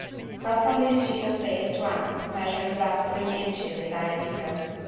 Cut from this sheet of paste rounds measuring about three inches in diameter.